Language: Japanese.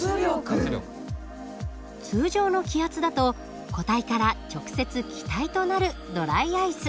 通常の気圧だと固体から直接気体となるドライアイス。